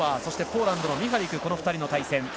そしてポーランドのミハリクの対戦。